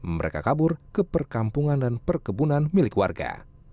mereka kabur ke perkampungan dan perkebunan milik warga